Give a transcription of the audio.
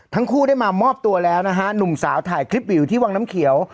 ทั้งคู่ได้มามอบตัวแล้วนะฮะหนุ่มสาวถ่ายคลิปวิวที่วังน้ำเขียว